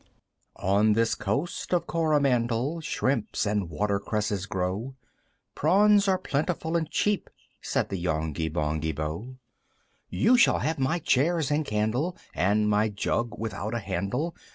IV. "On this Coast of Coromandel, "Shrimps and watercresses grow, "Prawns are plentiful and cheap." Said the Yonghy Bonghy Bò, "You shall have my chairs and candle, "And my jug without a handle!